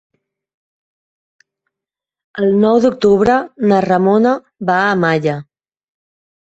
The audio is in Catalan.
El nou d'octubre na Ramona va a Malla.